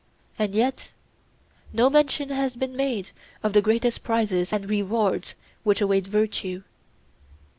And yet no mention has been made of the greatest prizes and rewards which await virtue.